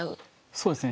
そうですね